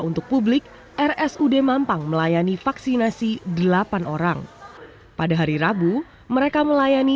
untuk publik rsud mampang melayani vaksinasi delapan orang pada hari rabu mereka melayani